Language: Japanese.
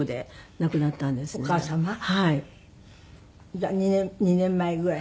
じゃあ２年前ぐらい？